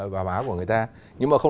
và má của người ta